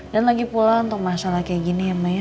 dan lagi pula untuk masalah kayak gini ya maya